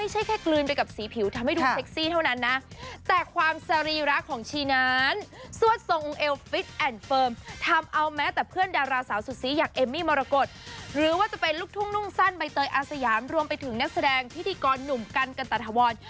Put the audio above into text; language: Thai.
หรือว่าจะเป็นลูกทุ่งนุ่งสั้นใบเตยอาสยานรวมไปถึงนักแสดงพิธีกรหนุ่มกันกันตะทะวด